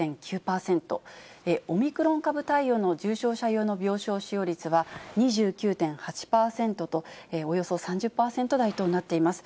オミクロン株対応の重症者用の病床使用率は２９．８％と、およそ３０％台となっています。